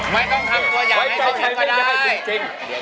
ไม่ต้องทำตัวอย่างให้เค้าเห็นก็ได้